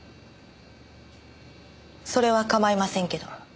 それは構いませんけど。